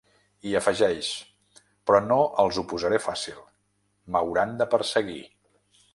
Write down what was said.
I afegeix—: Però no els ho posaré fàcil; m’hauran de perseguir.